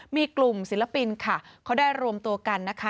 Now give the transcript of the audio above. มีกลุ่มศิลปินค่ะเขาได้รวมตัวกันนะคะ